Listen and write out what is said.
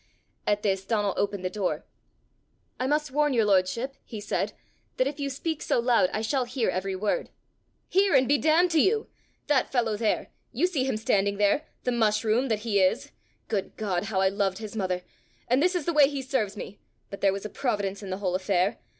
At this Donal opened the door. "I must warn your lordship," he said, "that if you speak so loud, I shall hear every word." "Hear and be damned to you! That fellow there you see him standing there the mushroom that he is! Good God! how I loved his mother! and this is the way he serves me! But there was a Providence in the whole affair!